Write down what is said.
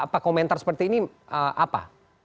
apa komentar seperti ini apa